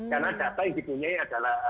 karena data yang dipunyai adalah